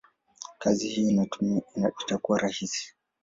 kazi hii itakuwa rahisi?